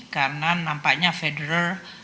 karena nampaknya federal reserve tidak bisa menurun